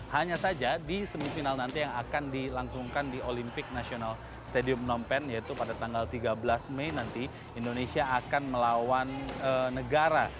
hanya saja di semifinal nanti yang akan dilangsungkan di olympic national stadium phnom penh yaitu pada tanggal tiga belas mei nanti indonesia akan melawan negara